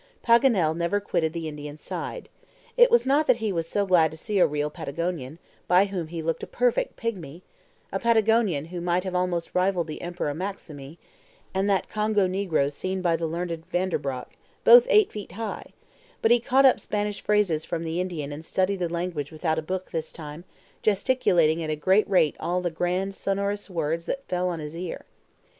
Paganel never quitted the Indian's side. It was not that he was so glad to see a real Patagonian, by whom he looked a perfect pigmy a Patagonian who might have almost rivaled the Emperor Maximii, and that Congo negro seen by the learned Van der Brock, both eight feet high; but he caught up Spanish phrases from the Indian and studied the language without a book this time, gesticulating at a great rate all the grand sonorous words that fell on his ear.